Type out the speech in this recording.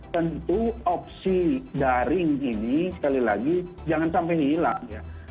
tentu opsi daring ini sekali lagi jangan sampai hilang ya